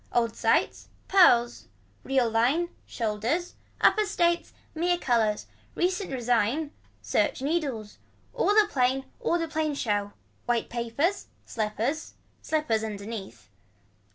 Old sight. Pearls. Real line. Shoulders. Upper states. Mere colors. Recent resign. Search needles. All a plain all a plain show. White papers. Slippers. Slippers underneath.